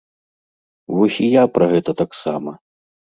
Вось і я пра гэта таксама!